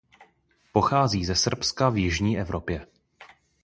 Pochází ze Srbska v jižní Evropě.